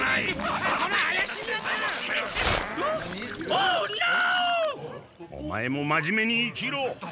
オマエも真面目に生きろ！